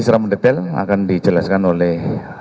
secara mendetail akan dijelaskan oleh